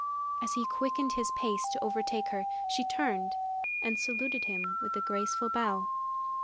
As he quickened his pace to overtake her, she turned and saluted him with a graceful bow.